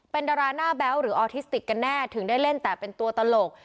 เป็นดาราหน้าแบ๊วหรือออทิสติกกันแน่ถึงได้เล่นแต่เป็นตัวตลก